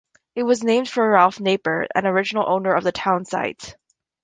It was named for Ralph Naper, an original owner of the town site.